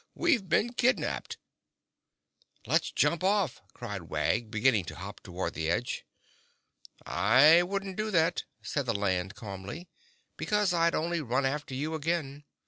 "We've been kidnapped!" "Let's jump off!" cried Wag, beginning to hop toward the edge. "I wouldn't do that," said the Land calmly, "because I'd only run after you again.